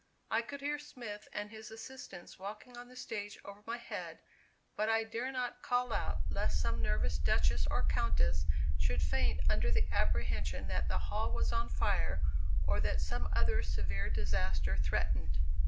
I could hear Smith and his assistants walking on the stage over my head, but I dare not call out lest some nervous Duchess or Countess should faint under the apprehension that the hall was on fire, or that some other severe disaster threatened.